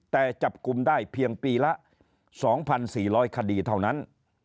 แต่จับกลุ่มได้เพียงปีละ๒๔๐๐คดีเท่านั้น